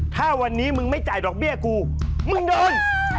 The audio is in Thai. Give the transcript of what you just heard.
ถ้าวันนี้มึงไม่จ่ายดอกเบี้ยกูมึงโดน